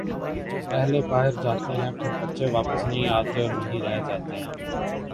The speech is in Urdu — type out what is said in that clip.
پہلے باہر جا تے ہیں پھر بچے واپس نہیں آتے اور وہیں رہ جاتے ہیں